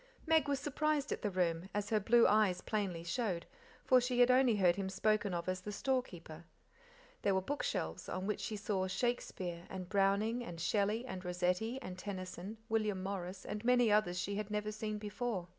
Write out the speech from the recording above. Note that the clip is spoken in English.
Meg was surprised at the room, as her blue eyes plainly showed, for she had only heard him spoken of as the store keeper. There were bookshelves, on which she saw Shakespeare and Browning and Shelley and Rossetti and Tennyson, William Morris, and many others she had never seen before.